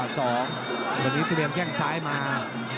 วันนี้เตรียมแข้งซ้ายมา